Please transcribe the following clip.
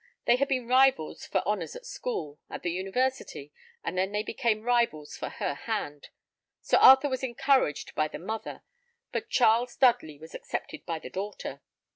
They had been rivals for honours at school, at the university, and they then became rivals for her hand. Sir Arthur was encouraged by the mother, but Charles Dudley was accepted by the daughter.